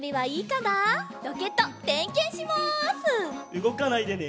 うごかないでね！